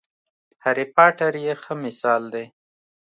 هرې پاټر یې ښه مثال دی.